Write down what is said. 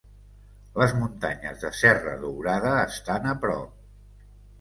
Les Muntanyes de Serra Dourada estan a prop.